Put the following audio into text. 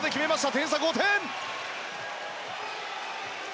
点差は５点！